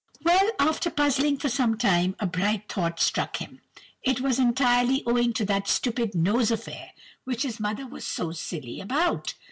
"Well, after puzzling for some time, a bright thought struck him. It was entirely owing to that stupid nose affair, which his mother was so silly about.